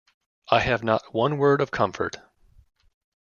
I have not one word of comfort.